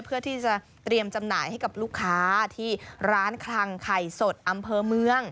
เพื่อที่จะเตรียมจำหน่ายให้กับลูกค้าที่ร้านคลังไข่สดอำเภอเมือง